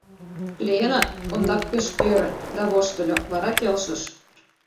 Леэна ондак пеш ӧрӧ да воштыльо, вара келшыш.